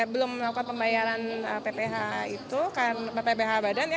belum melakukan pembayaran pph itu kan pph badan ya